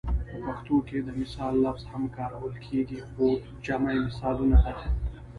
په پښتو کې د مثال لفظ هم کارول کیږي خو جمع یې مثالونه ده